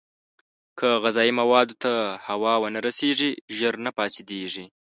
که غذايي موادو ته هوا ونه رسېږي، ژر نه فاسېدېږي.